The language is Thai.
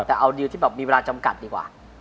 แต่เอาดิวที่แบบมีเวลาจำกัดดีกว่า